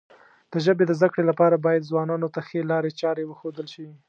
د ژبې د زده کړې لپاره باید ځوانانو ته ښې لارې چارې وښودل شي.